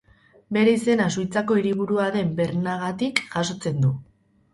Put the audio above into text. Bere izena Suitzako hiriburua den Bernagatik jasotzen du.